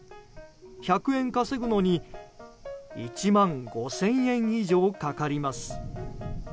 １００円稼ぐのに１万５０００円以上かかります。